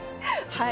はい。